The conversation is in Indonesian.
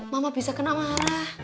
mama bisa kena marah